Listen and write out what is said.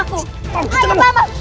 aku tidak mau